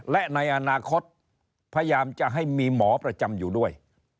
และในอนาคตพยายามจะให้มีหมอประจำอยู่ด้วย